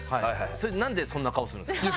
それでなんでそんな顔するんですか？